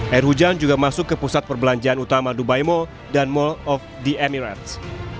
air hujan juga masuk ke pusat perbelanjaan utama dubai mall dan mall of the emirates